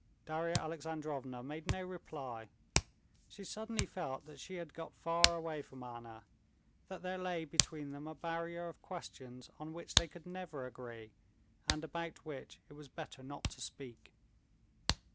Darya Alexandrovna made no reply. She suddenly felt that she had got far away from Anna; that there lay between them a barrier of questions on which they could never agree, and about which it was better not to speak.